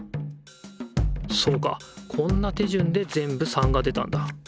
そうかこんな手順でぜんぶ３が出たんだ。